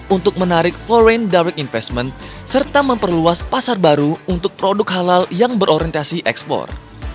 untuk menarik foreign direct investment serta memperluas pasar baru untuk produk halal yang berorientasi ekspor